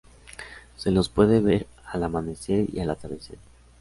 Se los puede ver al amanecer y al atardecer.